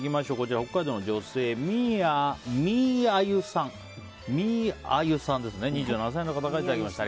北海道の女性２７歳の方からいただきました。